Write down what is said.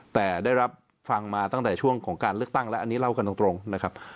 แต่ได้รับฟังมาตั้งแต่ช่วงของการเลือกตั้งแล้วอันนี้เล่ากันตรงนะครับ